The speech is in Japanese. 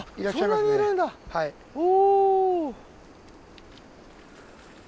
お。